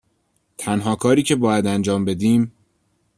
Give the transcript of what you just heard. تنها کاری که باید انجام بدیم